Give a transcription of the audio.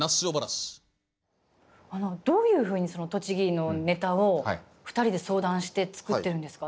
どういうふうにその栃木のネタを２人で相談して作ってるんですか？